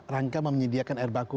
rangka menyediakan air baku